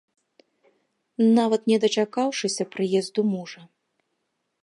Нават не дачакаўшыся прыезду мужа.